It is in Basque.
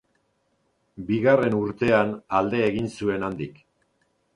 Bigarren urtean alde egin zuen handik.